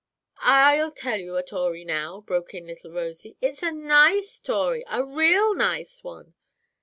"I'll tell you a 'tory now," broke in little Rosy. "It's a nice 'tory, a real nice one.